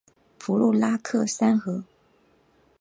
弗洛拉克三河。